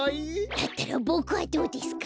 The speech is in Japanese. だったらボクはどうですか？